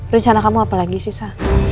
rencana kamu apa lagi sih sa